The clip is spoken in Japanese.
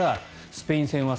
スペイン戦です。